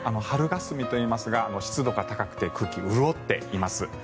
春がすみといいますが湿度が高くて空気が潤っています。